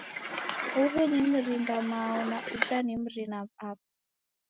Uhu ni mrina-mao na ujha ni mrina-apa